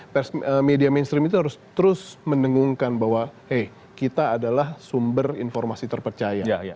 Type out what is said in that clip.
jadi media mainstream itu harus terus menengungkan bahwa kita adalah sumber informasi terpercaya